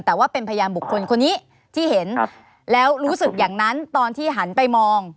แต่ว่าเป็นพยานบุคคลคนนี้ที่เห็นแล้วรู้สึกอย่างนั้นตอนที่หันไปมอง